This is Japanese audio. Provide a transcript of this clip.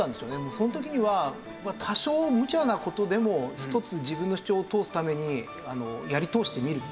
その時には多少むちゃな事でも一つ自分の主張を通すためにやり通してみるっていう。